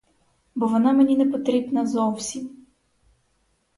Бо вона мені непотрібна зовсім.